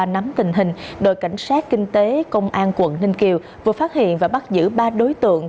nắm tình hình đội cảnh sát kinh tế công an quận ninh kiều vừa phát hiện và bắt giữ ba đối tượng